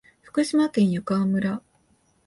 福島県湯川村